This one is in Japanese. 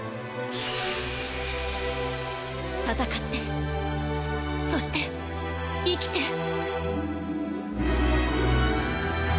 戦ってそして生きて！